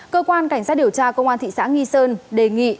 cơ quan cảnh sát điều tra công an thị xã nghi sơn đề nghị